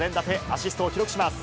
アシストを記録します。